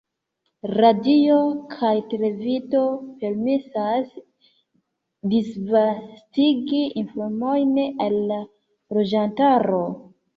Radio kaj televido permesas disvastigi informojn al la loĝantaro.